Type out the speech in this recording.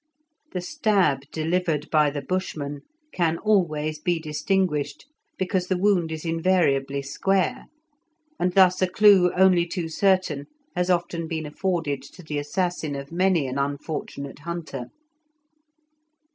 The stab delivered by the Bushman can always be distinguished, because the wound is invariably square, and thus a clue only too certain has often been afforded to the assassin of many an unfortunate hunter.